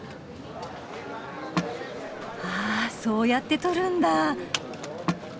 あそうやって取るんだ。